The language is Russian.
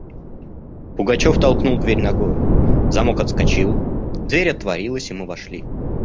Пугачев толкнул дверь ногою; замок отскочил; дверь отворилась, и мы вошли.